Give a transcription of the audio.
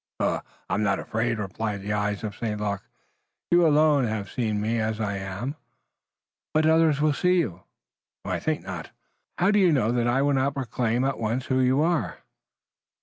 "I'm not afraid," replied the eyes of St. Luc. "You alone have seen me as I am." "But others will see you." "I think not." "How do you know that I will not proclaim at once who you are?"